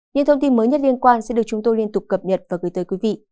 những thông tin mới nhất liên quan sẽ được chúng tôi liên tục cập nhật và gửi tới quý vị